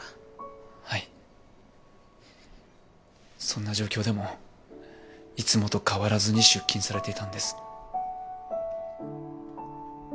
そんな状況でもいつもと変わらずに出勤されていたんです。